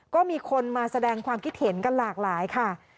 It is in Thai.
ก็มีคนมาแสดงความคิดเห็นกันหลากหลายค่ะ